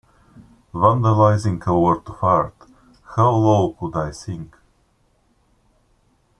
Vandalizing a work of art; how low could I sink?